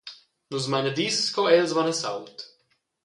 Nus mein a disco, els van a sault.